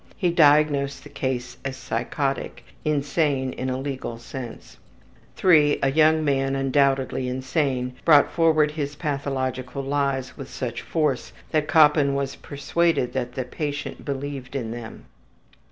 He diagnosed the case as psychotic; insane in a legal sense. III. A young man undoubtedly insane brought forward his pathological lies with such force that Koppen was persuaded that the patient believed in them.